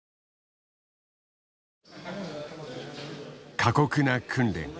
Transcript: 過酷な訓練。